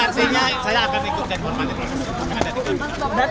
artinya saya akan ikut informatifnya